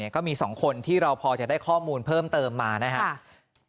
ก็มี๒คนที่เราพอจะได้ข้อมูลเพิ่มเติมมานะครับ